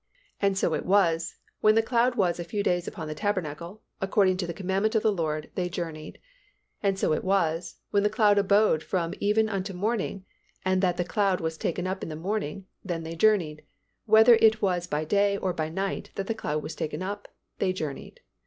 And so it was, when the cloud was a few days upon the tabernacle; according to the commandment of the LORD they journeyed. And so it was, when the cloud abode from even unto the morning, and that the cloud was taken up in the morning then they journeyed: whether it was by day or by night that the cloud was taken up, they journeyed.